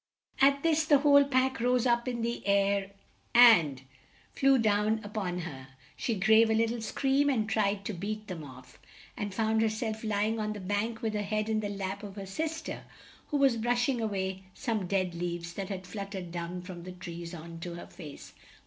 At this the whole pack rose up in the air and flew down up on her; she gave a lit tle scream and tried to beat them off and found her self ly ing on the bank with her head in the lap of her sis ter, who was brush ing a way some dead leaves that had fluttered down from the trees on to her face.